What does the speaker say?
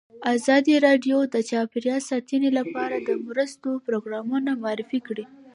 ازادي راډیو د چاپیریال ساتنه لپاره د مرستو پروګرامونه معرفي کړي.